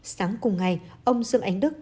sáng cùng ngày ông dương ánh đức